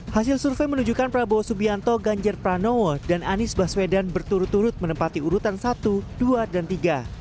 hasil survei menunjukkan prabowo subianto ganjar pranowo dan anies baswedan berturut turut menempati urutan satu dua dan tiga